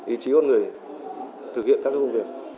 ý chí con người thực hiện các công việc